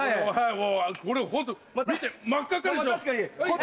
これホント見て真っ赤っかでしょ。